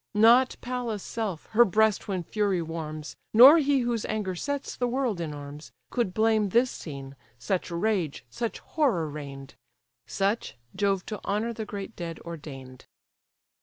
Not Pallas' self, her breast when fury warms, Nor he whose anger sets the world in arms, Could blame this scene; such rage, such horror reign'd; Such, Jove to honour the great dead ordain'd.